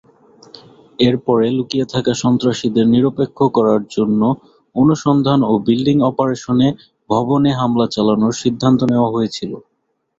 এরপরে লুকিয়ে থাকা সন্ত্রাসীদের নিরপেক্ষ করার জন্য অনুসন্ধান ও বিল্ডিং অপারেশনে ভবনে হামলা চালানোর সিদ্ধান্ত নেওয়া হয়েছিল।